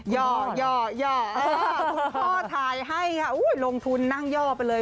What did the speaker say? ย่อคุณพ่อถ่ายให้ค่ะลงทุนนั่งย่อไปเลย